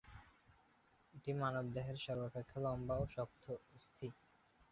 এটি মানবদেহের সর্বাপেক্ষা লম্বা এবং শক্ত অস্থি।